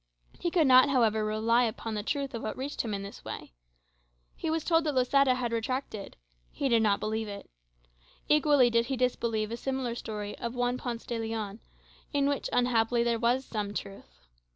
He could not, however, rely upon the truth of what reached him in this way. He was told that Losada had retracted; he did not believe it. Equally did he disbelieve a similar story of Don Juan Ponce de Leon, in which, unhappily, there was some truth.